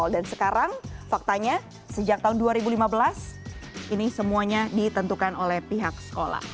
dan sekarang faktanya sejak tahun dua ribu lima belas ini semuanya ditentukan oleh pihak sekolah